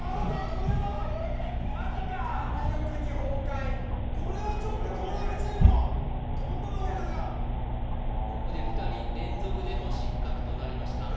これはこれだけ出てこなかったこれはちょっと東大王チームもとんでもない追い風がここで２人連続での失格となりました